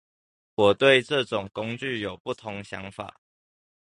我對這種工具有不同想法